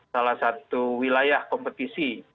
salah satu wilayah kompetisi